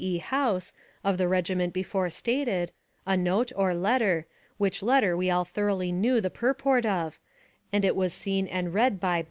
E. House, of the regiment before stated, a note, or letter, which letter we all thoroughly knew the pur port of, and it was seen and read by